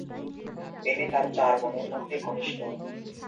তিনি তাঁর চার বোনের মধ্যে কনিষ্ঠ।